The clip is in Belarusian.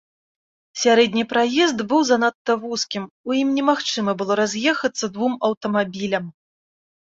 Сярэдні праезд быў занадта вузкім, у ім немагчыма было раз'ехацца двум аўтамабілям.